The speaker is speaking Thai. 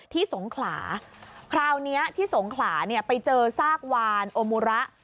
ที่สงขลาคราวนี้ที่สงขลาไปเจอซากวานโอมุระ